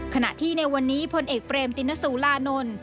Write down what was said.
ขณะที่ในวันนี้พลเอกเปรมตินสุรานนท์